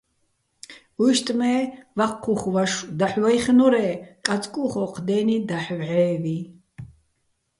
უჲშტ მე́, ვაჴჴუ́ხ ვაშო̆ ვუხ ვაჲხნორ-ე́, კაწკუ́ხ ოჴ დე́ნი დაჰ̦ ვჵე́ვიჼ.